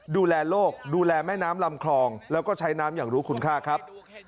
ดูแลโลกดูแลแม่น้ำลำคลองแล้วก็ใช้น้ำอย่างรู้คุณค่าครับ